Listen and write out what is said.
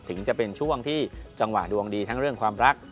ถึงจะเป็นช่วงที่จังหวะดวงดีทั้งเรื่องความรัก